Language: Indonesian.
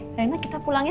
eh karena kita pulang ya